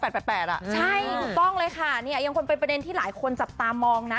ใช่ต้องเลยค่ะยังควรเป็นประเด็นที่หลายคนจับตามองนะ